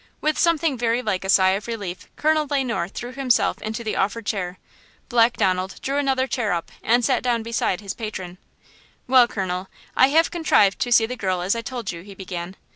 With something very like a sigh of relief, Colonel Le Noir threw himself into the offered chair. Black Donald drew another chair up and sat down beside his patron. "Well, colonel, I have contrived to see the girl as I told you," he began.